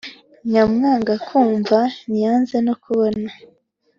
« nyamwanga kumva ntiyanze kubona.